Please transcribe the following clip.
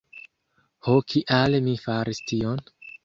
Ho kial mi faris tion?